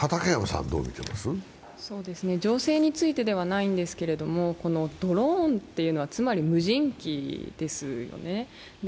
情勢についててではないんですけれども、このドローンはつまり無人機ですよね。